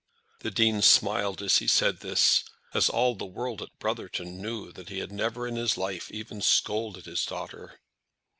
The Dean smiled as he said this, as all the world at Brotherton knew that he had never in his life even scolded his daughter.